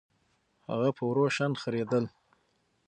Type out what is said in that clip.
هغه په ورو شان خرېدل